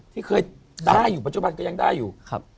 ที่เคยได้อยู่ปัจจุบันก็ยังได้อยู่